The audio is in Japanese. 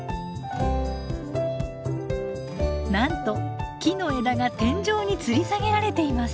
なんと木の枝が天井につり下げられています。